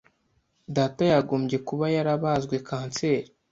Data yagombye kuba yarabazwe kanseri.